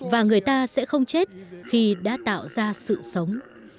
và người ta sẽ không chết khi đã tạo ra sự sống